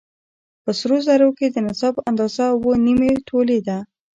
په سرو زرو کې د نصاب اندازه اووه نيمې تولې ده